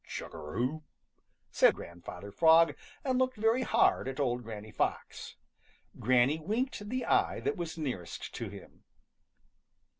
"Chug a rum!" said Grandfather Frog and looked very hard at old Granny Fox. Granny winked the eye that was nearest to him.